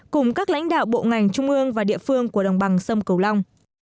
cùng các lãnh đạo bộ ngành trung ương và địa phương của đồng bằng sông cửu long